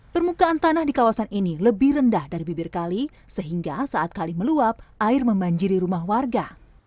permukaan tanah di kawasan ini lebih rendah dari bibir kali sehingga saat kali meluap air membanjiri rumah warga